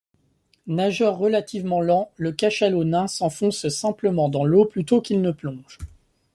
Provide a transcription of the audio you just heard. Nageur relativement lent, le cachalot nain s'enfonce simplement dans l'eau plutôt qu'il ne plonge.